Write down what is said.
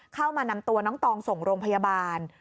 เข้ามานำตัวน้องตองส่งโรงพยาบาล